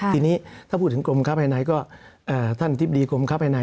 ทีนี้ถ้าพูดถึงกรมค้าภายในก็ท่านอธิบดีกรมค้าภายใน